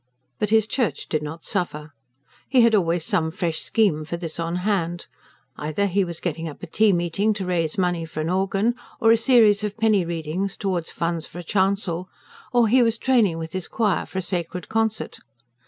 But his church did not suffer. He had always some fresh scheme for this on hand: either he was getting up a tea meeting to raise money for an organ; or a series of penny readings towards funds for a chancel; or he was training with his choir for a sacred concert.